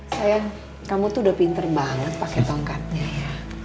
sayang kamu tuh udah pinter banget pakai tongkatnya ya